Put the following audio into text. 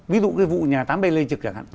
ví dụ cái vụ nhà tám b lê trực chẳng hạn